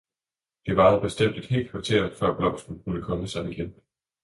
Det varede bestemt et helt kvarter, før blomsten kunne komme sig igen.